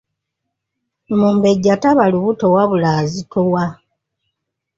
Omumbejja taba lubuto wabula azitowa.